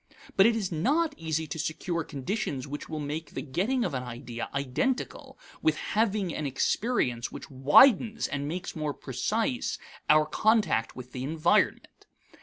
But it is not easy to secure conditions which will make the getting of an idea identical with having an experience which widens and makes more precise our contact with the environment.